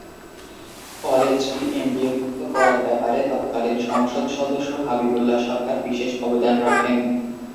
কলেজটি এমপিওভুক্ত করার ব্যাপারে তৎকালীন সংসদ সদস্য হাবিবুল্লাহ সরকার বিশেষ অবদান রাখেন।